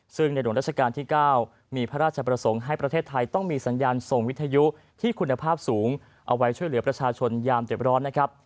ซึ่งในหลวงราชการที่๙มีพระราชประสงค์ให้ประเทศไทยต้องมีสัญญาณส่งวิทยุที่คุณภาพสูงเอาไว้ช่วยเหลือประชาชนยามเจ็บร้อนนะครับ